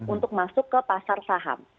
untuk masuk ke pasar saham